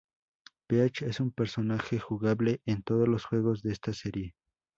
Peach es un personaje jugable en todos los juegos de esta serie.